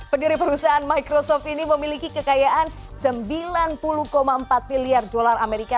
pendiri perusahaan microsoft ini memiliki kekayaan sembilan puluh empat miliar dolar amerika